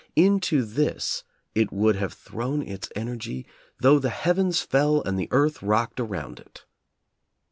Into this it would have thrown its energy though the heavens fell and the earth rocked around it.